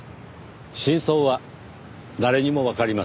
真相は誰にもわかりません。